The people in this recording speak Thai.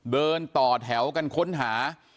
เดินต่อแถวกันค้นหา